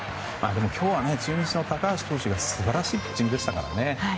でも今日は中日の高橋投手が素晴らしいピッチングでしたから。